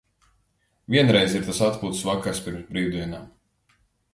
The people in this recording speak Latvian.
Vienreiz ir tas atpūtas vakars pirms brīvdienām.